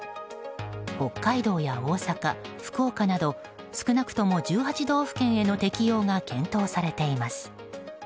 北海道や大阪、福岡など少なくとも１８道府県への適用が検討されています。